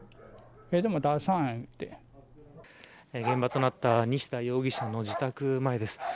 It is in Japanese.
現場となった西田容疑者の自宅前です。